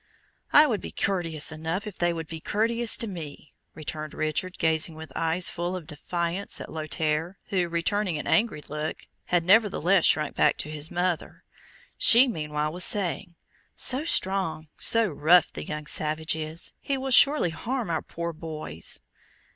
"I would be courteous enough, if they would be courteous to me," returned Richard, gazing with eyes full of defiance at Lothaire, who, returning an angry look, had nevertheless shrunk back to his mother. She meanwhile was saying, "So strong, so rough, the young savage is, he will surely harm our poor boys!"